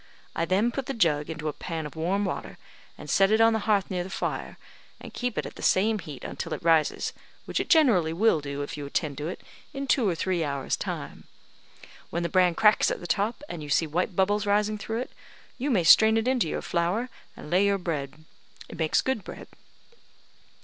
I then put the jug into a pan of warm water, and set it on the hearth near the fire, and keep it at the same heat until it rises, which it generally will do, if you attend to it, in two or three hours' time. When the bran cracks at the top, and you see white bubbles rising through it, you may strain it into your flour, and lay your bread. It makes good bread."